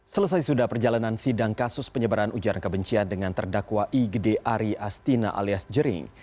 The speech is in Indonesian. selesai sudah perjalanan sidang kasus penyebaran ujaran kebencian dengan terdakwa igede ari astina alias jering